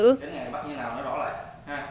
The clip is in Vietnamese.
bạn như nào nó rõ lại